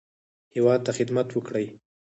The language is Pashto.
هیواد ته خدمت وکړي.